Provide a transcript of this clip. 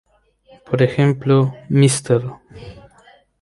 Por ejemplo, "Mr.